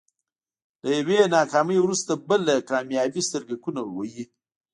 له يوې ناکامي وروسته بله کاميابي سترګکونه وهي.